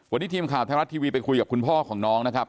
วันนี้ทีมข่าวไทยรัฐทีวีไปคุยกับคุณพ่อของน้องนะครับ